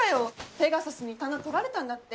ペガサスに棚取られたんだって？